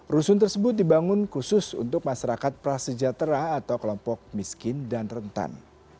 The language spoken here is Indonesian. rusun tersebut dibangun khusus untuk masyarakat prasejahtera atau kelompok miskin dan rentan